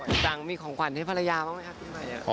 คุณจังมีของขวัญให้ภรรยาบ้างไหมครับปีใหม่